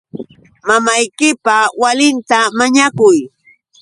Mamaykipa walinta mañakuy.